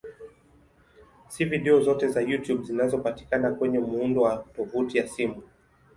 Si video zote za YouTube zinazopatikana kwenye muundo wa tovuti ya simu.